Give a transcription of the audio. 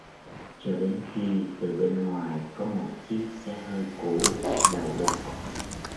Cho đến khi từ bên ngoài có một chiếc xe hơi cũ đậu lại